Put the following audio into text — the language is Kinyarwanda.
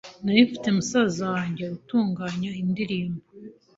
Nari mfite musaza wange utunganya indirimbo